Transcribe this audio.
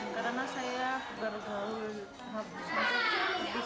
saya mengenangi kalau orang tua yang terbuka